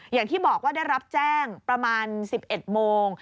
อย่างที่บอกว่าได้รับแจ้งประมาณ๑๑โมง